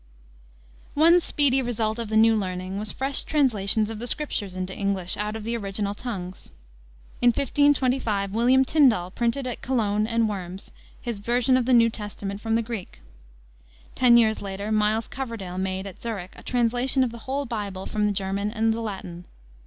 One speedy result of the new learning was fresh translations of the Scriptures into English, out of the original tongues. In 1525 William Tyndal printed at Cologne and Worms his version of the New Testament from the Greek. Ten years later Miles Coverdale made, at Zurich, a translation of the whole Bible from the German and the Latin.